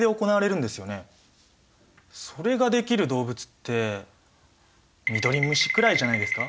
それができる動物ってミドリムシくらいじゃないですか？